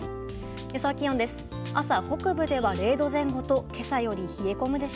予想気温です。